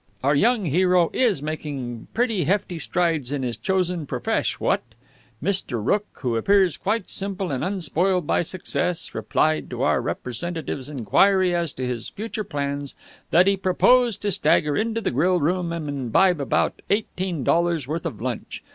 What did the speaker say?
Our young hero is making pretty hefty strides in his chosen profesh, what? Mr. Rooke, who appears quite simple and unspoiled by success, replied to our representative's enquiry as to his future plans, that he proposed to stagger into the grill room and imbibe about eighteen dollars' worth of lunch.